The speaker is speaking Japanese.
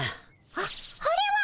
あっあれは！